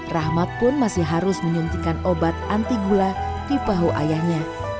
rahmat pun masih harus menyuntikkan obat anti guling